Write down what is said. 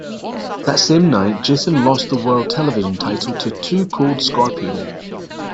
That same night, Jason lost the World Television Title to Too Cold Scorpio.